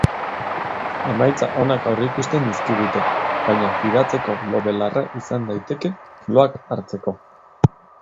Emaitza onak aurreikusten dizkigute, baina fidatzeko lo-belarra izan daiteke, loak hartzeko.